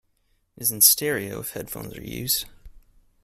It is in stereo, if headphones are used.